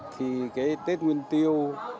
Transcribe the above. thì cái tết nguyên tiêu